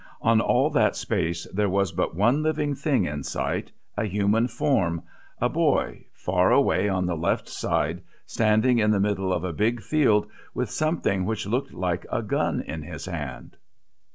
On all that space there was but one living thing in sight, a human form, a boy, far away on the left side, standing in the middle of a big field with something which looked like a gun in his hand.